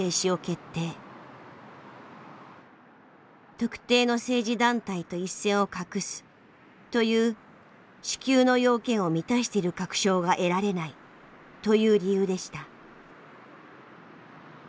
「特定の政治団体と一線を画す」という支給の要件を満たしている確証が得られないという理由でした。